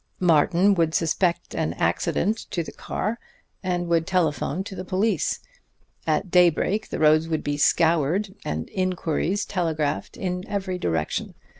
Martin would suspect an accident to the car, and would telephone to the police. At daybreak the roads would be scoured and inquiries telegraphed in every direction.